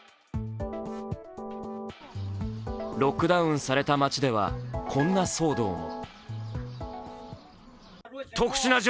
ロックダウンされた街では、こんな騒動も。